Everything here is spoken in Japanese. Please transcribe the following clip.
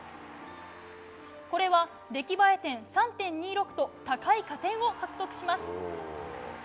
これは出来栄え点３．２６と高い加点を獲得します。